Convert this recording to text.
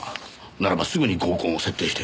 ならばすぐに合コンを設定して。